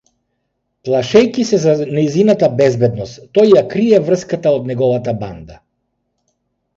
Плашејќи се за нејзината безбедност, тој ја крие врската од неговата банда.